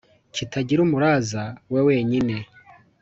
kitagira umuraza, we wenyine